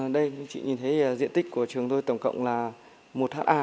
đây chị nhìn thấy diện tích của trường tôi tổng cộng là một ha